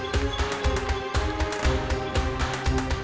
aus kasih nasional itu